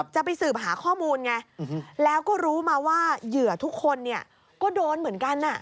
จะไปสืบหาข้อมูลไงแล้วก็รู้มาว่าเหยื่อทุกคนเนี่ยก็โดนเหมือนกัน